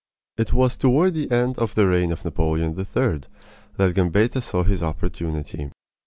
It was toward the end of the reign of Napoleon III. that Gambetta saw his opportunity.